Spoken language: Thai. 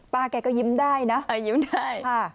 ป้าแกก็ยิ้มได้นะยิ้มได้